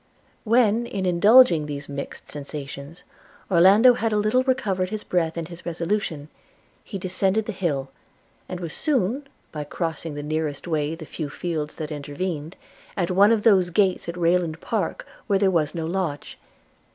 When, in indulging these mixed sensations, Orlando had a little recovered his breath and his resolution, he descended the hill, and was soon, by crossing the nearest way the few fields that intervened, at one of those gates at Rayland Park where there was no lodge.